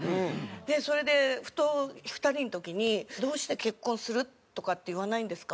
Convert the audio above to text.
でそれでふと２人の時に「どうして結婚するとかって言わないんですか？」